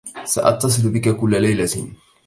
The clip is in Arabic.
سأتصل بك كل ليلة.